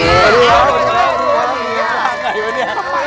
พี่เวสพักจี๊